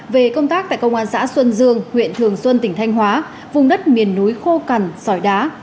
về công tác tại công an xã xuân dương huyện thường xuân tỉnh thanh hóa vùng đất miền núi khô cằn sỏi đá